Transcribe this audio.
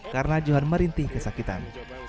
karena johan merintih kesakitan